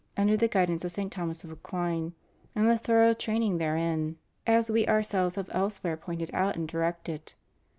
291 under the guidance of St. Thomas of Aquin, and a thor ough training therein — as We Ourselves have elsewhere pointed out and directed.